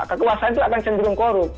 kekuasaan itu akan cenderung korup